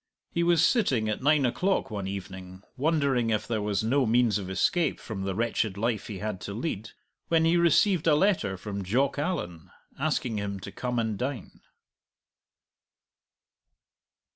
He was sitting at nine o'clock one evening, wondering if there was no means of escape from the wretched life he had to lead, when he received a letter from Jock Allan, asking him to come and dine.